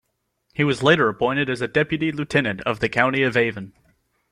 He was later appointed as a Deputy Lieutenant of the County of Avon.